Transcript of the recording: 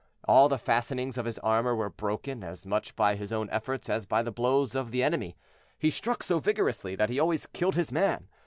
All the fastenings of his armor were broken, as much by his own efforts as by the blows of the enemy. He struck so vigorously that he always killed his man.